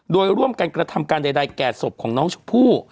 โดยร่วมกันกระทำการใดแก่ศพของน้องชมพู่